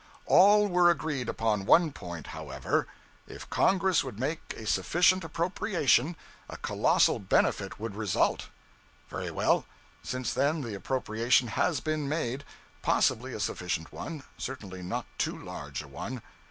All were agreed upon one point, however: if Congress would make a sufficient appropriation, a colossal benefit would result. Very well; since then the appropriation has been made possibly a sufficient one, certainly not too large a one.